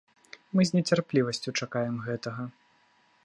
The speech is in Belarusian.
Мы з нецярплівасцю чакаем гэтага.